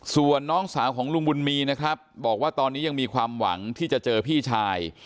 ส่วนน้องสาวของลุงบุญมีนะครับบอกว่าตอนนี้ยังมีความหวังที่จะเจอพี่ชาย